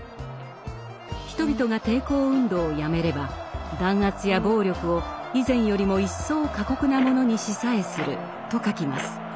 人々が抵抗運動をやめれば「弾圧や暴力を以前よりも一層過酷なものにしさえする」と書きます。